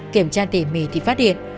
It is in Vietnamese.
kiểm tra tỉ mỉ thì phát hiện